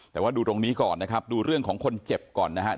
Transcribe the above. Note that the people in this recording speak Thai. แต่ว่าดูตรงนี้ก่อนนะครับดูเรื่องของคนเจ็บก่อนนะครับ